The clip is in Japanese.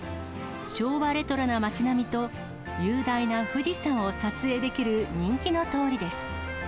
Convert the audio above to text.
昭和レトロな町並みと、雄大な富士山を撮影できる人気の通りです。